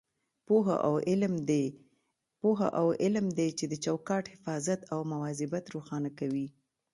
پوهه او علم دی چې د چوکاټ حفاظت او مواظبت روښانه کوي.